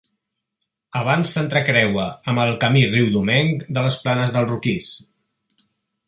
Abans s'entrecreua amb el camí riudomenc de les Planes del Roquís.